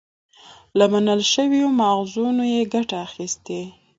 له منل شويو ماخذونو يې ګټه اخستې